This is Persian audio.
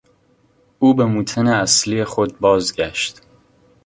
او به موطن اصلی خود بازگشت.